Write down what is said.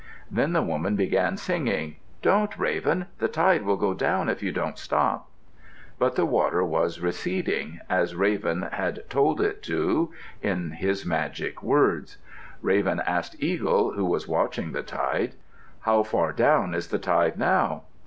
Then the woman began singing, "Don't, Raven! The tide will go down if you don't stop." But the water was receding, as Raven had told it to, in his magic words. Raven asked Eagle, who was watching the tide, "How far down is the tide now?"